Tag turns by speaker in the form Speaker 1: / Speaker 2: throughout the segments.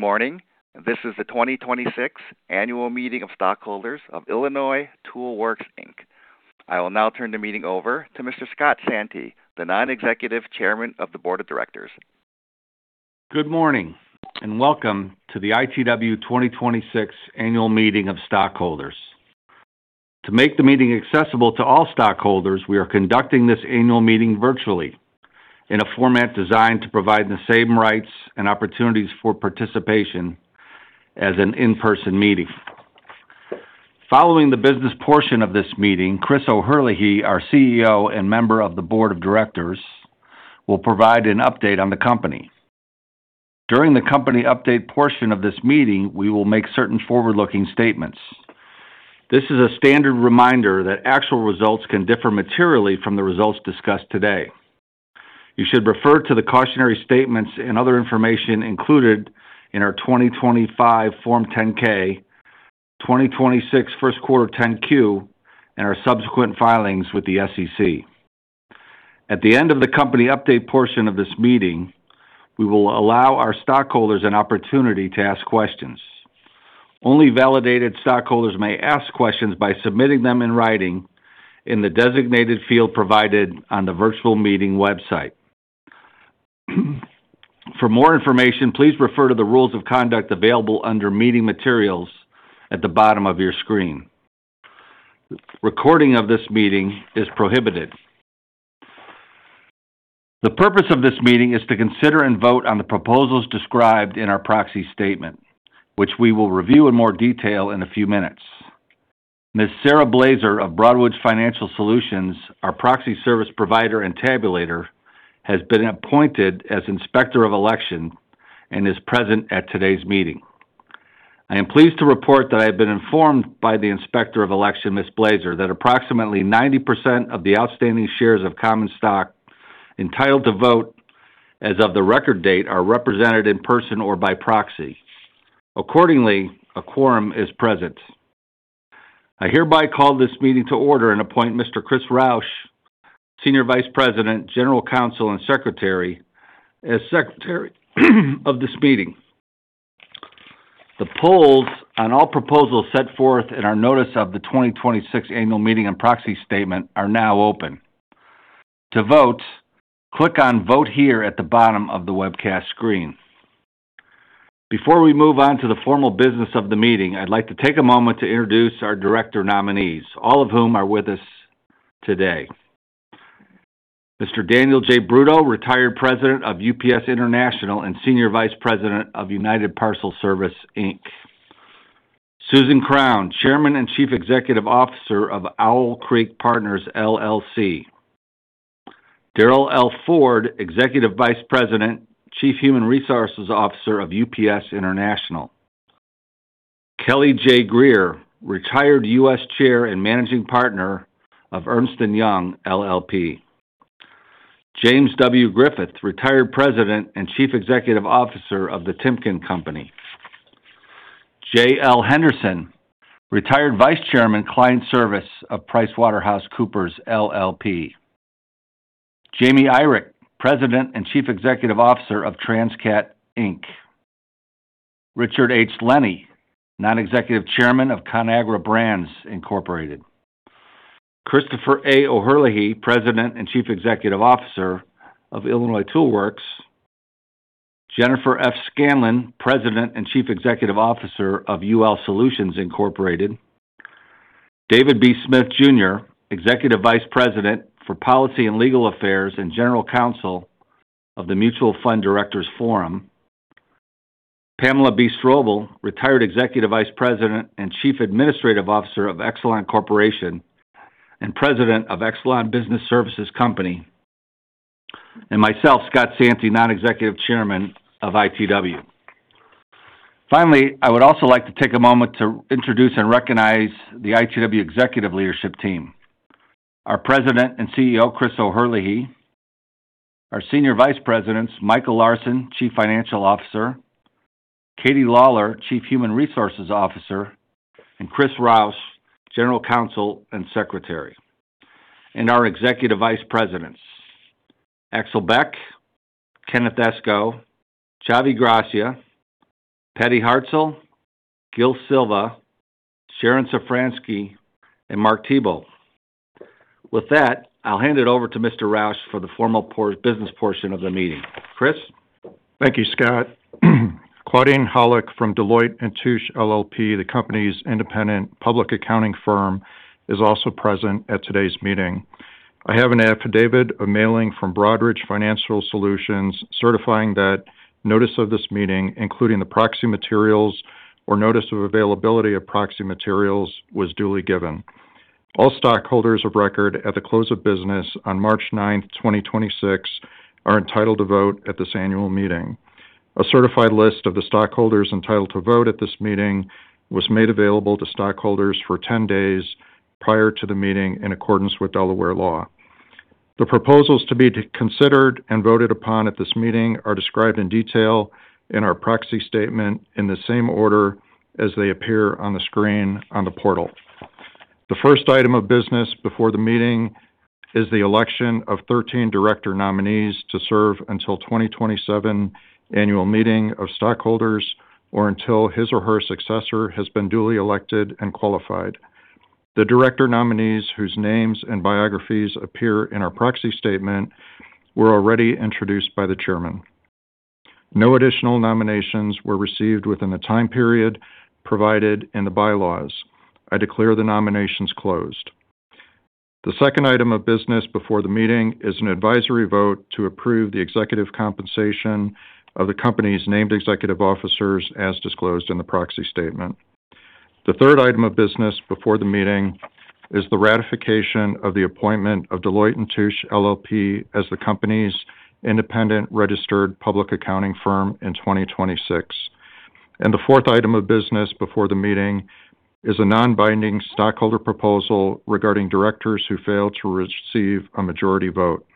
Speaker 1: Morning. This is the 2026 annual meeting of stockholders of Illinois Tool Works Inc. I will now turn the meeting over to Mr. E. Scott Santi, the Non-Executive Chairman of the Board of Directors.
Speaker 2: Good morning, welcome to the ITW 2026 annual meeting of stockholders. To make the meeting accessible to all stockholders, we are conducting this annual meeting virtually in a format designed to provide the same rights and opportunities for participation as an in-person meeting. Following the business portion of this meeting, Chris O'Herlihy, our CEO and member of the board of directors, will provide an update on the company. During the company update portion of this meeting, we will make certain forward-looking statements. This is a standard reminder that actual results can differ materially from the results discussed today. You should refer to the cautionary statements and other information included in our 2025 Form 10-K, 2026 first quarter 10-Q, and our subsequent filings with the SEC. At the end of the company update portion of this meeting, we will allow our stockholders an opportunity to ask questions. Only validated stockholders may ask questions by submitting them in writing in the designated field provided on the virtual meeting website. For more information, please refer to the rules of conduct available under Meeting Materials at the bottom of your screen. Recording of this meeting is prohibited. The purpose of this meeting is to consider and vote on the proposals described in our proxy statement, which we will review in more detail in a few minutes. Ms. Sarah Blazer of Broadridge Financial Solutions, our proxy service provider and tabulator, has been appointed as Inspector of Election and is present at today's meeting. I am pleased to report that I have been informed by the Inspector of Election, Ms. Blazer, that approximately 90% of the outstanding shares of common stock entitled to vote as of the record date are represented in person or by proxy. Accordingly, a quorum is present. I hereby call this meeting to order and appoint Mr. Chris Rauch, Senior Vice President, General Counsel, and Secretary, as secretary of this meeting. The polls on all proposals set forth in our notice of the 2026 annual meeting and proxy statement are now open. To vote, click on Vote Here at the bottom of the webcast screen. Before we move on to the formal business of the meeting, I'd like to take a moment to introduce our director nominees, all of whom are with us today. Mr. Daniel J. Brutto, retired President of UPS International and Senior Vice President of United Parcel Service Inc. Susan Crown, Chairman and Chief Executive Officer of Owl Creek Partners, LLC. Darrell L. Ford, Executive Vice President, Chief Human Resources Officer of UPS International. Kelly J. Grier, retired U.S. Chair and Managing Partner of Ernst & Young LLP. James W. Griffith, Retired President and Chief Executive Officer of The Timken Company. Jay L. Henderson, Retired Vice Chairman, Client Service of PricewaterhouseCoopers LLP. Jaime Irick, President and Chief Executive Officer of Transcat, Inc. Richard H. Lenny, Non-Executive Chairman of Conagra Brands, Inc. Christopher A. O'Herlihy, President and Chief Executive Officer of Illinois Tool Works. Jennifer F. Scanlon, President and Chief Executive Officer of UL Solutions Inc. David B. Smith, Jr., Executive Vice President for Policy and Legal Affairs and General Counsel of the Mutual Fund Directors Forum. Pamela B. Strobel, Retired Executive Vice President and Chief Administrative Officer of Exelon Corporation and President of Exelon Business Services Company. Myself, E. Scott Santi, Non-Executive Chairman of ITW. Finally, I would also like to take a moment to introduce and recognize the ITW executive leadership team. Our President and CEO, Chris O'Herlihy. Our Senior Vice Presidents, Michael M. Larsen, Chief Financial Officer, Mary K. Lawler, Chief Human Resources Officer, and Christopher P. Rauch, General Counsel and Secretary. Our Executive Vice Presidents, Axel R. J. Beck, T. Kenneth Escoe, Xavier Gracia, Patricia A. Hartzell, Guilherme Silva, Sharon A. Szafranski, and Mark Thibeault. With that, I'll hand it over to Mr. Rauch for the formal business portion of the meeting. Chris?
Speaker 3: Thank you, Scott. Claudine Hallock from Deloitte & Touche LLP, the company's independent public accounting firm, is also present at today's meeting. I have an affidavit, a mailing from Broadridge Financial Solutions, certifying that notice of this meeting, including the proxy materials or notice of availability of proxy materials, was duly given. All stockholders of record at the close of business on March 9, 2026 are entitled to vote at this annual meeting. A certified list of the stockholders entitled to vote at this meeting was made available to stockholders for 10 days prior to the meeting in accordance with Delaware law. The proposals to be considered and voted upon at this meeting are described in detail in our proxy statement in the same order as they appear on the screen on the portal. The first item of business before the meeting is the election of 13 director nominees to serve until 2027 Annual Meeting of Stockholders or until his or her successor has been duly elected and qualified. The director nominees, whose names and biographies appear in our proxy statement, were already introduced by the chairman. No additional nominations were received within the time period provided in the bylaws. I declare the nominations closed. The second item of business before the meeting is an advisory vote to approve the executive compensation of the company's named executive officers as disclosed in the proxy statement. The third item of business before the meeting is the ratification of the appointment of Deloitte & Touche LLP as the company's independent registered public accounting firm in 2026. The fourth item of business before the meeting is a non-binding stockholder proposal regarding directors who fail to receive a majority vote.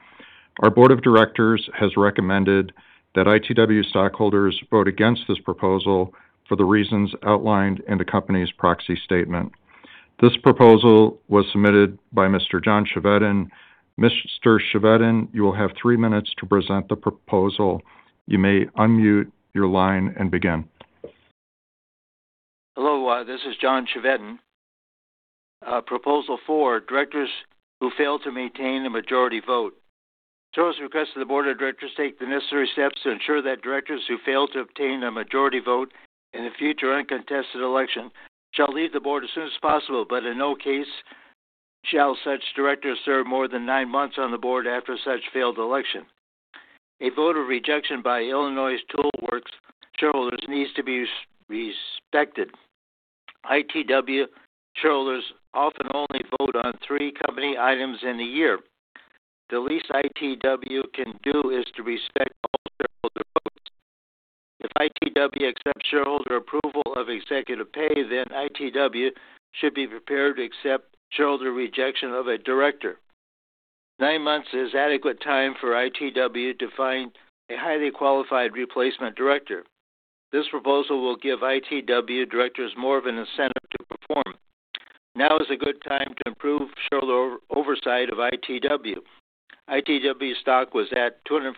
Speaker 3: Our board of directors has recommended that ITW stockholders vote against this proposal for the reasons outlined in the company's proxy statement. This proposal was submitted by Mr. John Chevedden. Mr. Chevedden, you will have three minutes to present the proposal. You may unmute your line and begin.
Speaker 4: Hello, this is John Chevedden. Proposal 4, directors who fail to maintain a majority vote. Shareholders request that the board of directors take the necessary steps to ensure that directors who fail to obtain a majority vote in a future uncontested election shall leave the board as soon as possible, but in no case shall such directors serve more than nine months on the board after such failed election. A vote of rejection by Illinois Tool Works shareholders needs to be respected. ITW shareholders often only vote on three company items in a year. The least ITW can do is to respect all shareholder votes. If ITW accepts shareholder approval of executive pay, ITW should be prepared to accept shareholder rejection of a director. Nine months is adequate time for ITW to find a highly qualified replacement director. This proposal will give ITW directors more of an incentive to perform. Now is a good time to improve shareholder oversight of ITW. ITW stock was at $248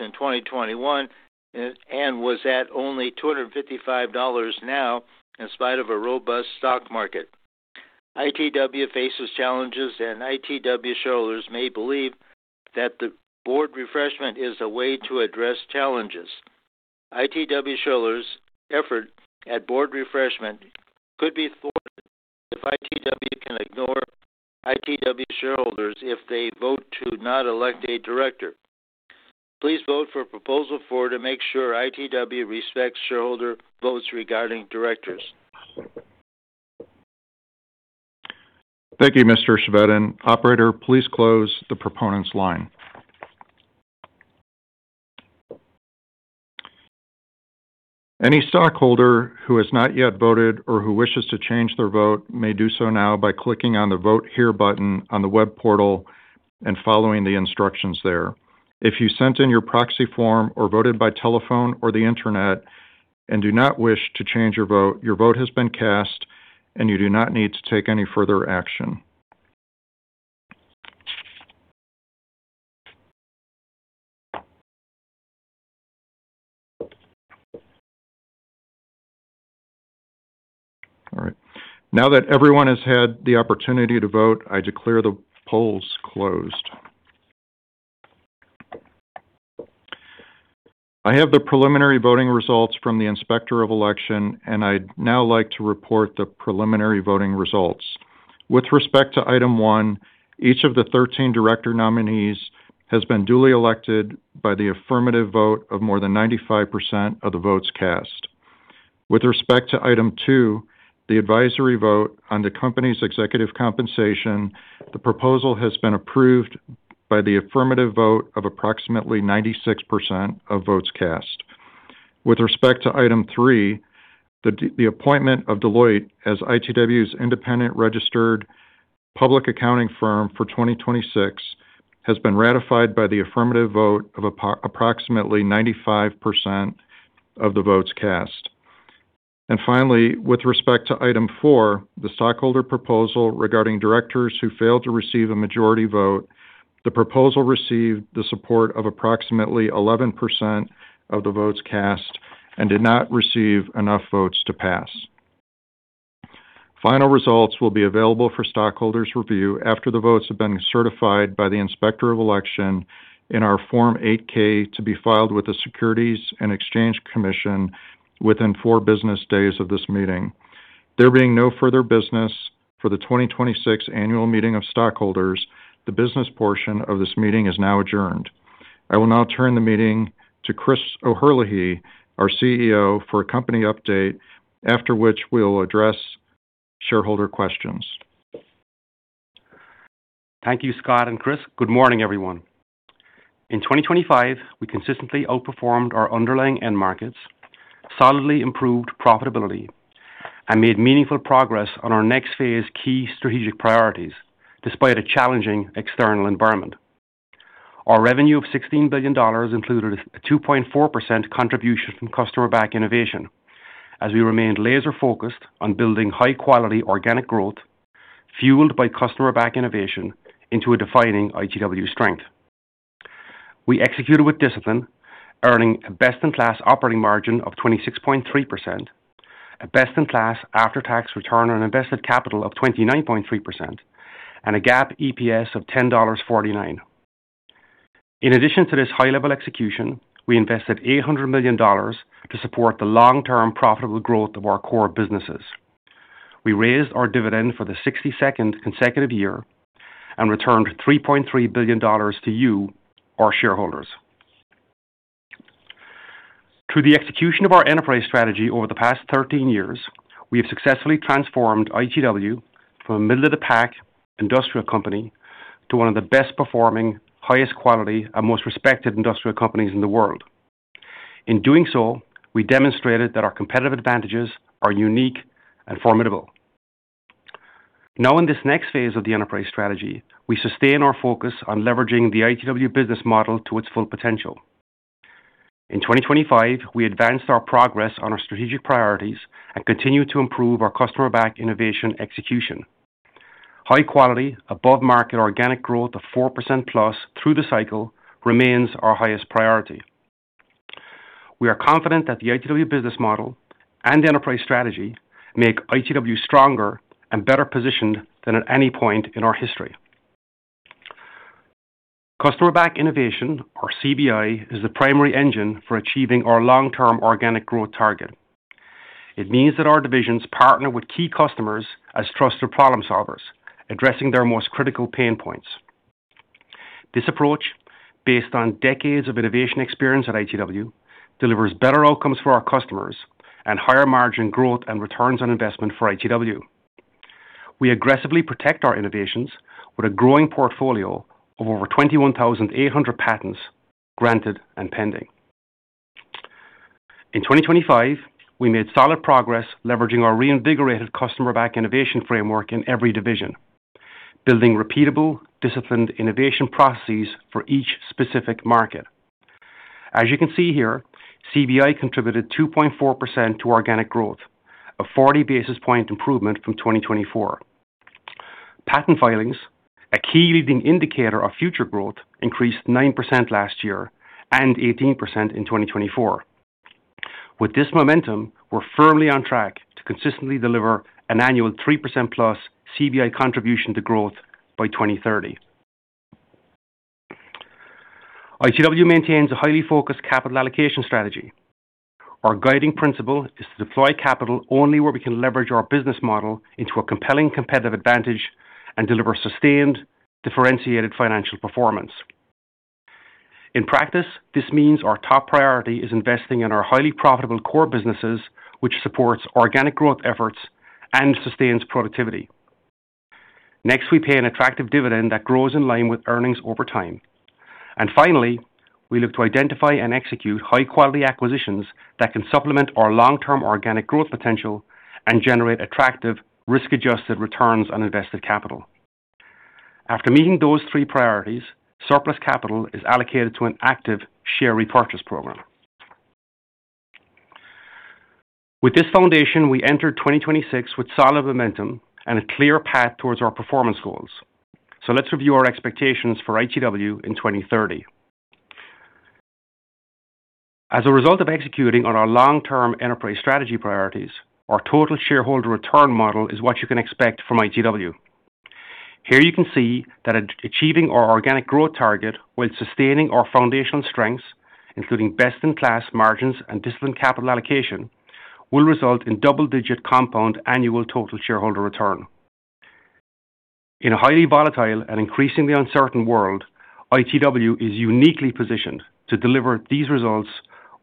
Speaker 4: in 2021 and was at only $255 now in spite of a robust stock market. ITW faces challenges. ITW shareholders may believe that the board refreshment is a way to address challenges. ITW shareholders' effort at board refreshment could be thwarted if ITW can ignore ITW shareholders if they vote to not elect a director. Please vote for proposal four to make sure ITW respects shareholder votes regarding directors.
Speaker 3: Thank you, Mr. Chevedden. Operator, please close the proponent's line. Any stockholder who has not yet voted or who wishes to change their vote may do so now by clicking on the Vote Here button on the web portal and following the instructions there. If you sent in your proxy form or voted by telephone or the internet and do not wish to change your vote, your vote has been cast, and you do not need to take any further action. All right. Now that everyone has had the opportunity to vote, I declare the polls closed. I have the preliminary voting results from the Inspector of Election, and I'd now like to report the preliminary voting results. With respect to item one, each of the 13 director nominees has been duly elected by the affirmative vote of more than 95% of the votes cast. With respect to item 2, the advisory vote on the company's executive compensation, the proposal has been approved by the affirmative vote of approximately 96% of votes cast. With respect to item 3, the appointment of Deloitte as ITW's independent registered public accounting firm for 2026 has been ratified by the affirmative vote of approximately 95% of the votes cast. Finally, with respect to item 4, the stockholder proposal regarding directors who failed to receive a majority vote, the proposal received the support of approximately 11% of the votes cast and did not receive enough votes to pass. Final results will be available for stockholders review after the votes have been certified by the inspector of election in our Form 8-K to be filed with the Securities and Exchange Commission within four business days of this meeting. There being no further business for the 2026 Annual Meeting of Stockholders, the business portion of this meeting is now adjourned. I will now turn the meeting to Chris O'Herlihy, our CEO, for a company update, after which we'll address shareholder questions.
Speaker 5: Thank you, Scott and Chris. Good morning, everyone. In 2025, we consistently outperformed our underlying end markets, solidly improved profitability, and made meaningful progress on our next phase key strategic priorities despite a challenging external environment. Our revenue of $16 billion included a 2.4% contribution from Customer-Back Innovation as we remained laser focused on building high quality organic growth fueled by Customer-Back Innovation into a defining ITW strength. We executed with discipline, earning a best in class operating margin of 26.3%, a best in class after tax return on invested capital of 29.3%, and a GAAP EPS of $10.49. In addition to this high level execution, we invested $800 million to support the long-term profitable growth of our core businesses. We raised our dividend for the 62nd consecutive year and returned $3.3 billion to you, our shareholders. Through the execution of our enterprise strategy over the past 13 years, we have successfully transformed ITW from a middle of the pack industrial company to one of the best performing, highest quality and most respected industrial companies in the world. In doing so, we demonstrated that our competitive advantages are unique and formidable. Now, in this next phase of the enterprise strategy, we sustain our focus on leveraging the ITW business model to its full potential. In 2025, we advanced our progress on our strategic priorities and continued to improve our Customer-Back Innovation execution. High quality above market organic growth of 4%+ through the cycle remains our highest priority. We are confident that the ITW business model and the enterprise strategy make ITW stronger and better positioned than at any point in our history. Customer-Back Innovation, or CBI, is the primary engine for achieving our long term organic growth target. It means that our divisions partner with key customers as trusted problem solvers, addressing their most critical pain points. This approach, based on decades of innovation experience at ITW, delivers better outcomes for our customers and higher margin growth and returns on investment for ITW. We aggressively protect our innovations with a growing portfolio of over 21,800 patents granted and pending. In 2025, we made solid progress leveraging our reinvigorated Customer-Back Innovation framework in every division, building repeatable, disciplined innovation processes for each specific market. As you can see here, CBI contributed 2.4% to organic growth, a 40 basis point improvement from 2024. Patent filings, a key leading indicator of future growth, increased 9% last year and 18% in 2024. With this momentum, we're firmly on track to consistently deliver an annual 3% plus CBI contribution to growth by 2030. ITW maintains a highly focused capital allocation strategy. Our guiding principle is to deploy capital only where we can leverage our business model into a compelling competitive advantage and deliver sustained, differentiated financial performance. In practice, this means our top priority is investing in our highly profitable core businesses, which supports organic growth efforts and sustains productivity. Next, we pay an attractive dividend that grows in line with earnings over time. Finally, we look to identify and execute high quality acquisitions that can supplement our long term organic growth potential and generate attractive risk adjusted returns on invested capital. After meeting those three priorities, surplus capital is allocated to an active share repurchase program. With this foundation, we enter 2026 with solid momentum and a clear path towards our performance goals. Let's review our expectations for ITW in 2030. As a result of executing on our long term enterprise strategy priorities, our total shareholder return model is what you can expect from ITW. Here you can see that achieving our organic growth target while sustaining our foundational strengths, including best in class margins and disciplined capital allocation, will result in double-digit compound annual total shareholder return. In a highly volatile and increasingly uncertain world, ITW is uniquely positioned to deliver these results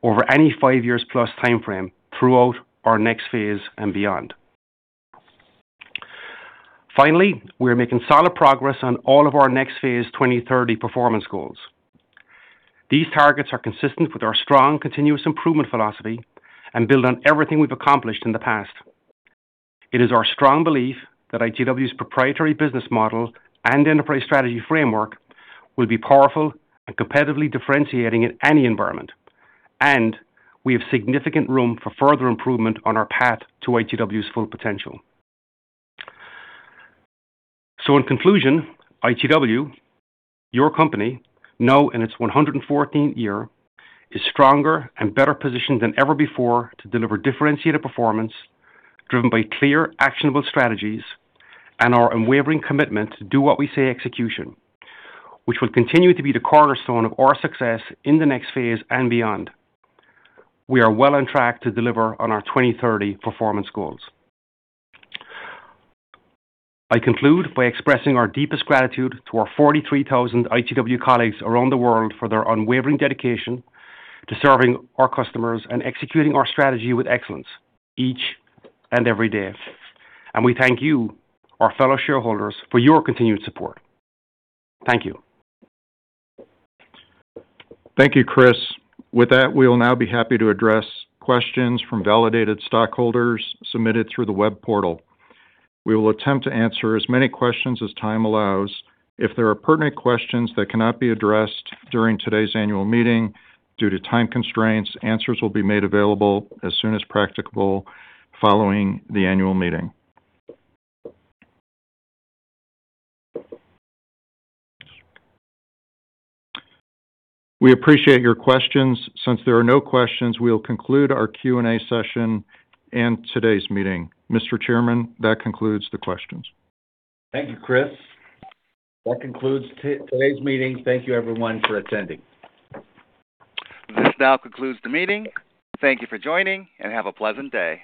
Speaker 5: over any five years plus timeframe throughout our next phase and beyond. Finally, we are making solid progress on all of our next phase 2030 performance goals. These targets are consistent with our strong continuous improvement philosophy and build on everything we've accomplished in the past. It is our strong belief that ITW's proprietary business model and enterprise strategy framework will be powerful and competitively differentiating in any environment, and we have significant room for further improvement on our path to ITW's full potential. In conclusion, ITW, your company now in its 114th year, is stronger and better positioned than ever before to deliver differentiated performance driven by clear, actionable strategies and our unwavering commitment to do what we say execution, which will continue to be the cornerstone of our success in the next phase and beyond. We are well on track to deliver on our 2030 performance goals. I conclude by expressing our deepest gratitude to our 43,000 ITW colleagues around the world for their unwavering dedication to serving our customers and executing our strategy with excellence each and every day. We thank you, our fellow shareholders, for your continued support. Thank you.
Speaker 3: Thank you, Chris. With that, we will now be happy to address questions from validated stockholders submitted through the web portal. We will attempt to answer as many questions as time allows. If there are pertinent questions that cannot be addressed during today's annual meeting due to time constraints, answers will be made available as soon as practicable following the annual meeting. We appreciate your questions. Since there are no questions, we will conclude our Q&A session and today's meeting. Mr. Chairman, that concludes the questions.
Speaker 2: Thank you, Chris. That concludes today's meeting. Thank you everyone for attending.
Speaker 1: This now concludes the meeting. Thank you for joining and have a pleasant day.